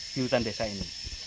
di hutan desa ini